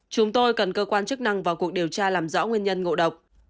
chúng tôi cần cơ quan chức năng vào cuộc điều tra làm rõ nguyên nhân ngộ độc